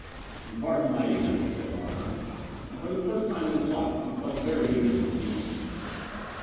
"Pardon my ignorance," said Larner, and for the first time in his life he felt very ignorant indeed.